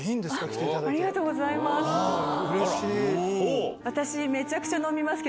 ありがとうございます。